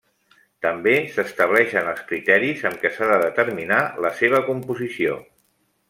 També s'estableixen els criteris amb què s'ha de determinar la seva composició.